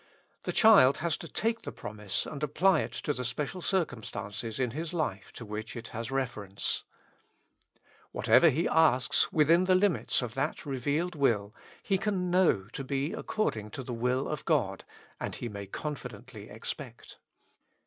The child has to take the promise and apply it to the special circumstances in His life to which it has reference. Whatever he asks within the limits of that revealed will, he can know to be according to the will of God, and he may confidently expect.